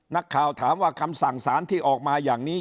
นักข่าวถามว่าคำสั่งสารที่ออกมาอย่างนี้